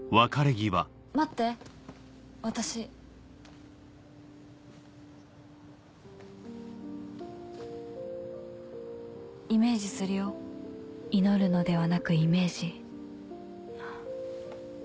待って私イメージするよ「祈るのではなくイメージ」。